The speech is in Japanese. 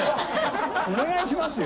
お願いしますよ。